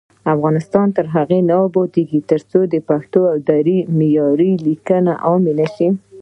افغانستان تر هغو نه ابادیږي، ترڅو د پښتو او دري معیاري لیکنه عامه نشي.